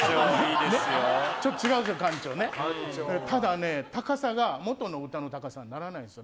ただ、高さが、元の歌の高さにならないんですよ。